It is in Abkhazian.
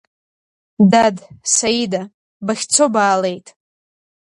Дад, Саида, бахьцо баалеит!